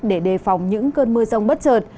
để đề phòng những cơn mưa rông bất chợt